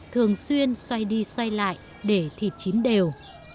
thường xuyên xoay đi xoay lại để thịt chín đều